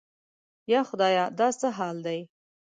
یا خدایه دا څه حال دی؟